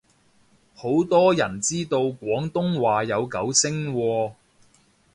好多人知道廣東話有九聲喎